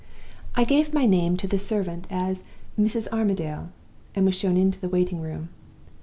"I gave my name to the servant as 'Mrs. Armadale,' and was shown into the waiting room.